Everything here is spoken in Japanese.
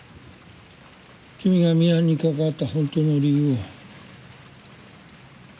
君がミハンに関わった本当の理由を。